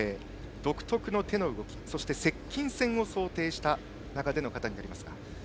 独特の手の動き、そして接近戦を想定した中での形です。